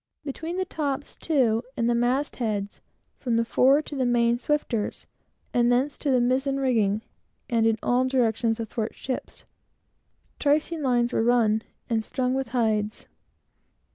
Between the tops, too, and the mast heads, from the fore to the main swifters, and thence to the mizen rigging, and in all directions athwartships, tricing lines were run, and strung with hides.